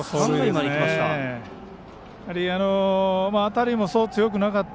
当たりもそう強くなかった。